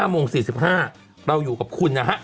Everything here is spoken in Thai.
โมง๔๕เราอยู่กับคุณนะฮะ